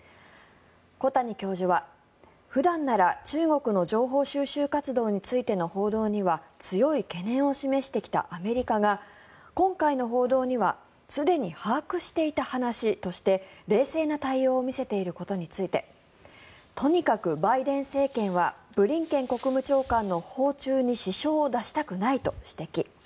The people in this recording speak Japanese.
小谷教授は普段なら中国の情報収集活動についての報道には強い懸念を示してきたアメリカが今回の報道にはすでに把握していた話として冷静な対応を見せていることについてとにかくバイデン政権はブリンケン国務長官の訪中に支障を出したくないと指摘。